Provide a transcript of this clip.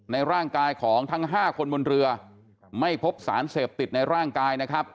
ในร่างกายของทั้ง๕คนบนเรือไม่พบสารเสพติดในร่างกายนะครับ